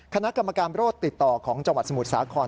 คณะกรรมการโรคติดต่อของจังหวัดสมุทรสาคร